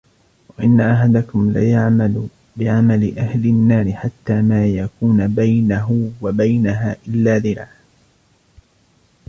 وَإِنَّ أَحَدَكُمْ لَيَعْمَلُ بِعَمَلِ أهْلِ النَّارِ حَتَّى مَا يَكُونَ بَيْنَهُ وَبَيْنَهَا إِلاَّ ذِرَاعٌ